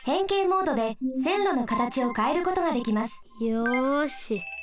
よし。